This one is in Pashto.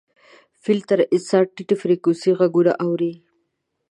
فیل تر انسان ټیټې فریکونسۍ غږونه اوري.